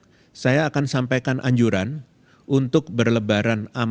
kepada yang lain saya akan sampaikan anjuran untuk berlahir di dalam bidang keselamatan mahasiswa dunia